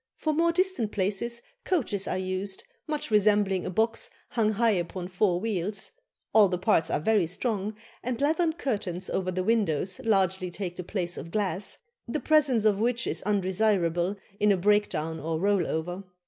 For more distant places coaches are used, much resembling a box hung high upon four wheels; all the parts are very strong, and leathern curtains over the windows largely take the place of glass, the presence of which is undesirable in a break down or roll over.